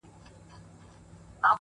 يو شاعر لکه قلم درپسې ژاړي’